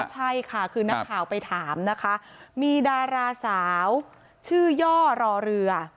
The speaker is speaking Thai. ใช่ค่ะคือนักข่าวไปถามนะคะมีดาราสาวชื่อย่อรอเรือ